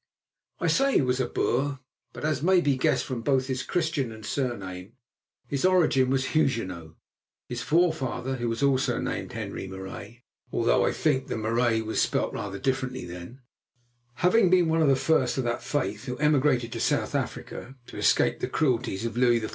I say he was a Boer, but, as may be guessed from both his Christian and surname, his origin was Huguenot, his forefather, who was also named Henri Marais—though I think the Marais was spelt rather differently then—having been one of the first of that faith who emigrated to South Africa to escape the cruelties of Louis XIV.